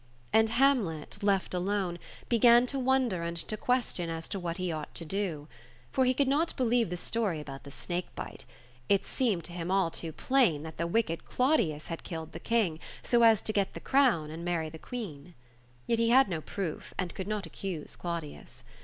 And Hamlet, left alone, began to wonder and to question as to wliat he ought to do. For he could not believe the story about the 44 THE CHILDREN'S SHAKESPEARE. snake bite. It seemed to him all too plain that the wicked Claudius had killed the King, so as to get the crown and marry the Queen. Yet he had no proof, and could not accuse Claudius.